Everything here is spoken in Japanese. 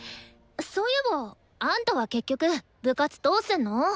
そういえばあんたは結局部活どうすんの？